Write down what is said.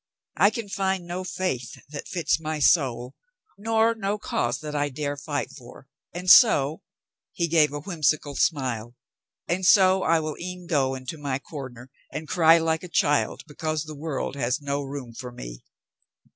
I can find no faith that fits my soul, nor no cause that I dare fight for. And so," he gave a whimsical smile, "and so I will e'en go into my cor ner and cry like a child because the world has no room for me."